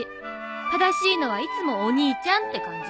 正しいのはいつもお兄ちゃんって感じ。